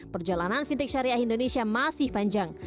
perjalanan fintech syariah indonesia masih panjang